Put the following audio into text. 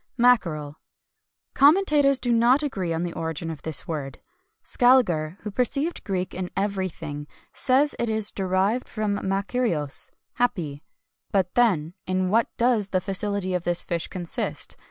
[XXI 185] MACKEREL. Commentators do not agree on the origin of this word. Scaliger, who perceived Greek in everything, says it is derived from makarios, "happy." But, then, in what does the felicity of this fish consist?